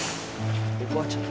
おばあちゃん